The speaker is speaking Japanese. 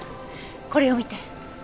これを見て。